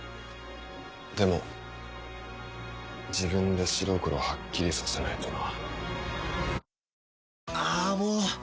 でも自分で白黒はっきりさせないとな。